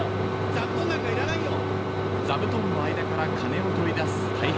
座布団なんかいらないよ！